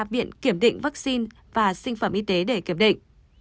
viện kiểm định vaccine và sinh phẩm y tế để kiểm định